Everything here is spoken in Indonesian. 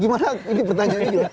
gimana ini pertanyaannya